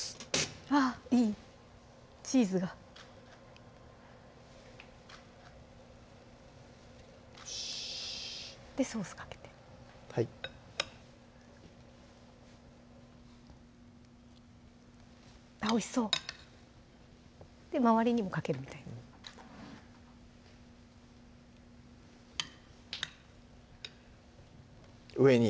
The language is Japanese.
あっいいチーズがよしでソースかけてはいあっおいしそう周りにもかけるみたいな上に？